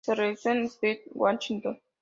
Se realizó en Seattle, Washington.